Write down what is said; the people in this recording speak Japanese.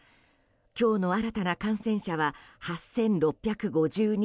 今日の新たな感染者は８６５２人。